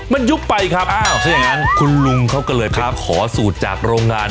มันยุบไปครับอ้าวถ้าอย่างนั้นคุณลุงเขาก็เลยไปขอสูตรจากโรงงาน